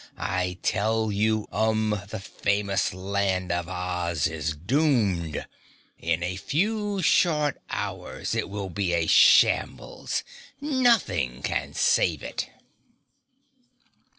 I tell you, Umb, the famous Land of Oz is doomed. In a few short hours it will be a shambles. Nothing can save it!"